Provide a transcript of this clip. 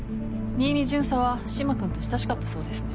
新見巡査は嶋君と親しかったそうですね。